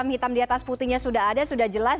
hitam di atas putihnya sudah ada sudah jelas